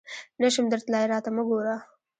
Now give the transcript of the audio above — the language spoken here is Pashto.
نه شم درتلای ، راته مه ګوره !